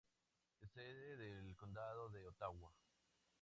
Es sede del condado de Ottawa.